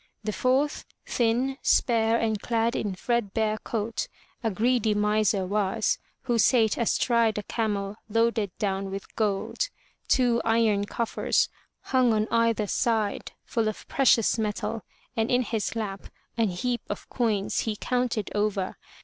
The fourth, thin, spare and clad in threadbare coat, a greedy miser was, who sate astride a camel loaded down with gold. Two iron coffers hung on either side, full of precious metal, and in his lap an heap of coins he counted over.